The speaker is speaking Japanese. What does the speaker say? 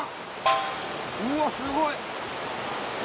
うわすごい！